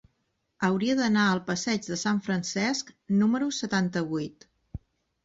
Hauria d'anar al passeig de Sant Francesc número setanta-vuit.